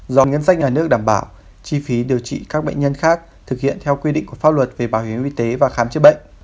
do ngân sách nhà nước đảm bảo chi phí điều trị các bệnh nhân khác thực hiện theo quy định của pháp luật về bảo hiểm y tế và khám chữa bệnh